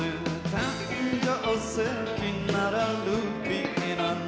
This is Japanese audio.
誕生石ならルビーなの」